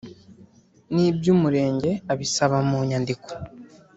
n iby Umurenge abisaba mu nyandiko